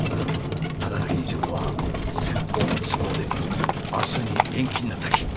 高崎ん仕事は先方の都合で明日に延期になったき。